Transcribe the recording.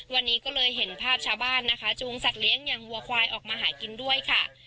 วันนี้ก็เลยเห็นภาพชาวบ้านนะคะจูงสัตว์เลี้ยงอย่างวัวควายออกมาหากินด้วยค่ะ